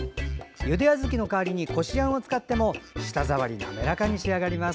ゆであずきの代わりにこしあんを使っても舌触りが滑らかに仕上がります。